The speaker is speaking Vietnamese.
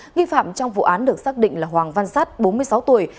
nghi phạm trong vụ án được xác định là hoàng văn sát bốn mươi sáu tuổi